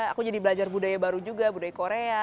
aku jadi belajar budaya baru juga budaya korea